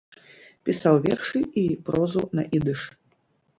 Пісаў вершы і прозу на ідыш.